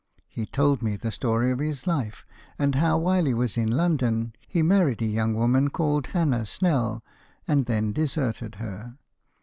He told me the story of his life, and how, while he was in London, he married a young woman called Hannah Snell, and then deserted her.